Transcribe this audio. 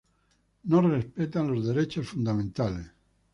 No respetan los derechos fundamentales".